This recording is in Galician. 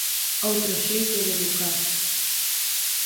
Outro xeito de educar